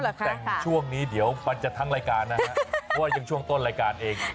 แต่งช่วงนี้เดี๋ยวมันจะทั้งรายการนะฮะเพราะว่ายังช่วงต้นรายการเอง